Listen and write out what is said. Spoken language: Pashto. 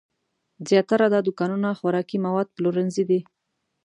زیاتره دا دوکانونه خوراکي مواد پلورنځي دي.